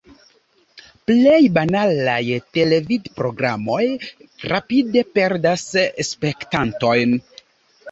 Plej banalaj televidprogramoj rapide perdas spektantojn.